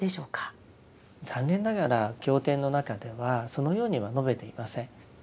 残念ながら経典の中ではそのようには述べていません。